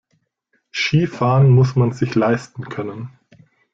Skifahren muss man sich leisten können.